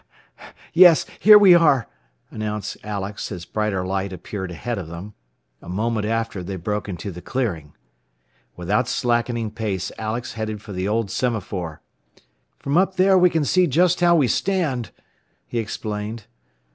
Yes, here we are," announced Alex, as brighter light appeared ahead of them. A moment after they broke into the clearing. Without slackening pace Alex headed for the old semaphore. "From up there we can see just how we stand," he explained.